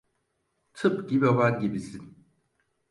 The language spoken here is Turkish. Tıpkı baban gibisin.